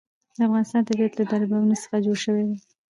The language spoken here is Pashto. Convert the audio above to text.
د افغانستان طبیعت له دریابونه څخه جوړ شوی دی.